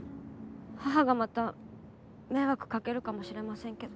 母がまた迷惑かけるかもしれませんけど。